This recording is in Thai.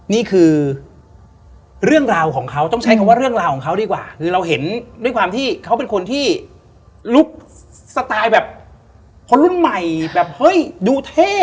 นี่คือเรื่องราวของเขาต้องใช้คำว่าเรื่องราวของเขาดีกว่าคือเราเห็นด้วยความที่เขาเป็นคนที่ลุคสไตล์แบบคนรุ่นใหม่แบบเฮ้ยดูเท่